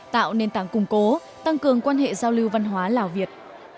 tạo nền tảng củng cố tăng cường quan hệ giao lưu văn hóa lào việt